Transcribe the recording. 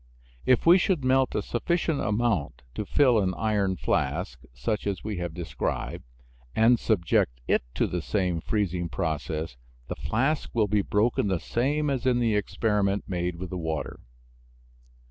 If we should melt a sufficient amount to fill an iron flask, such as we have described, and subject it to the same freezing process, the flask will be broken the same as in the experiment made with the water.